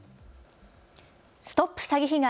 ＳＴＯＰ詐欺被害！